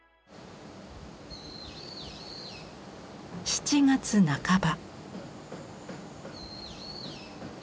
７月半ば。